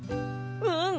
うん！